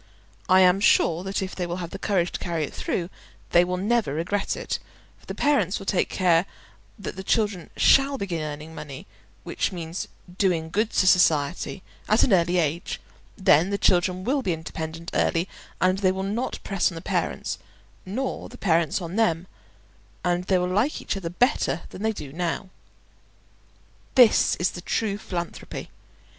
I am sure that if they will have the courage to carry it through they will never regret it; for the parents will take care that the children shall begin earning money (which means "doing good" to society) at an early age; then the children will be independent early, and they will not press on the parents, nor the parents on them, and they will like each other better than they do now. This is the true philanthropy.